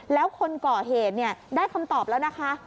แล้วคนก่อเหตุได้คำตอบแล้วนะคะ